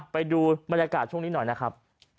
ไปดูบรรยากาศช่วงนี้หน่อยนะครับ